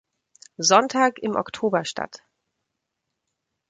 Sonntag im Oktober statt.